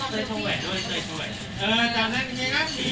ขอหอมนิดนึง